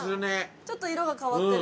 ちょっと色が変わってる。